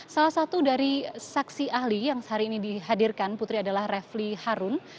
salah satu dari saksi ahli yang sehari ini dihadirkan putri adalah refli harun